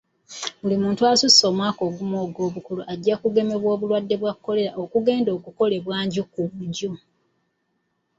Buli muntu asussa omwaka ogumu ogw'obukulu ajja kugemebwa obulwadde bwa kolera okugenda okukolebwa nju ku nju.